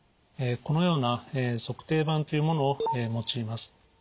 このような足底板というものを用います。